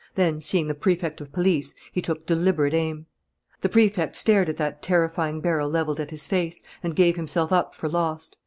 Then, seeing the Prefect of Police, he took deliberate aim. The Prefect stared at that terrifying barrel levelled at his face and gave himself up for lost.